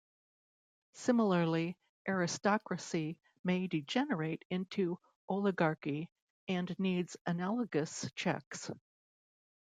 Similarly, Aristocracy may degenerate into Oligarchy, and needs analogous checks.